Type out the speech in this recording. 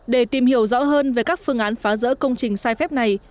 để tìm hiểu rõ hơn về các phương án phá rỡ công ty